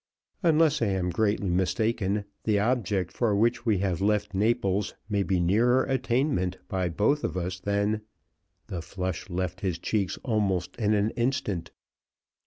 "Unless I am greatly mistaken, the object for which we have left Naples may be nearer attainment by both of us than " The flush left his cheeks almost in an instant.